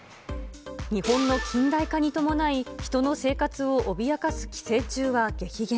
日本の近代化に伴い、人の生活を脅かす寄生虫は激減。